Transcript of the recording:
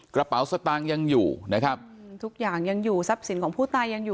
กระเป๋าสตางค์ยังอยู่นะครับทุกอย่างยังอยู่ทรัพย์สินของผู้ตายยังอยู่